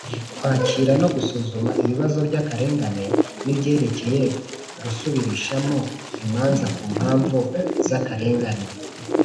kwakira no gusuzuma ibibazo by’akarengane n’ibyerekeye gusubirishamo imanza ku mpamvu z’akarengane